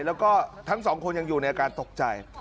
แล้วก็ทั้งสองคนยังอยู่ในอาการตกใจ